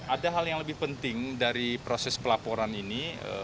ada hal yang lebih penting dari proses pelaporan ini